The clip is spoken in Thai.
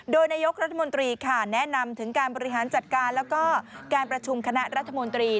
โดยนายกรัฐมนตรีค่ะแนะนำถึงการบริหารจัดการแล้วก็การประชุมคณะรัฐมนตรี